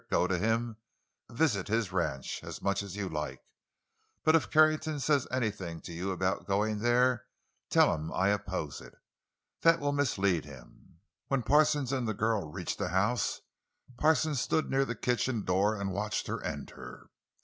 Go to him—visit his ranch—as much as you like. But if Carrington says anything to you about going there, tell him I opposed it. That will mislead him." When Parsons and the girl reached the house, Parsons stood near the kitchen door and watched her enter.